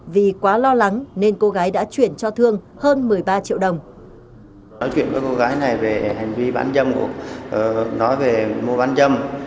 vì quá lo lắng nên cô gái đã chuyển cho thương hơn một mươi ba triệu đồng